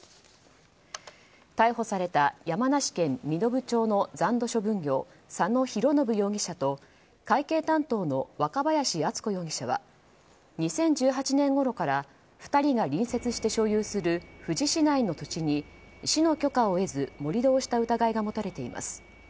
逮捕された山梨県身延町の残土処分業佐野浩信容疑者と会計担当の若林厚子容疑者は２０１８年ごろから２人が隣接して所有する富士市内の土地に市の許可を得ず盛り土をした疑いが持たれています。